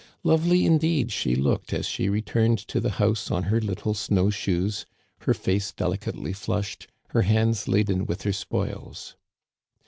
Lovely, indeed, she looked as she returned to the house on her little snow shoes, her face delicately flushed, her hands laden with her spoils.